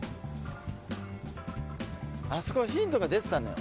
あそこヒントが出てたのよ。